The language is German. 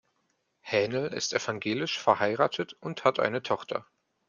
Hähnel ist evangelisch, verheiratet und hat eine Tochter.